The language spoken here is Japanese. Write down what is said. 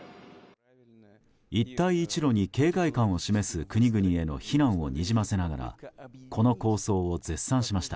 一帯一路に警戒感を示す国々への非難をにじませながらこの構想を絶賛しました。